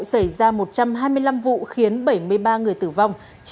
xảy ra một trăm hai mươi năm vụ khiến bảy mươi ba người tử vong